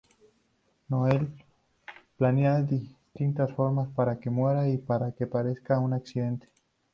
Noelle planea distintas formas para que muera y para que parezca un accidente.